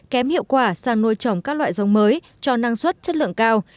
kém hiệu quả sang nuôi trồng các loại giống mới cho năng suất chất lượng cao